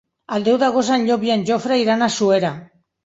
El deu d'agost en Llop i en Jofre iran a Suera.